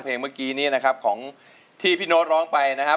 เมื่อกี้นี้นะครับของที่พี่โน๊ตร้องไปนะครับ